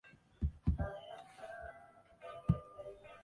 隆安秋海棠为秋海棠科秋海棠属的植物。